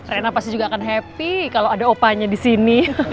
rena pasti juga akan happy kalau ada opanya di sini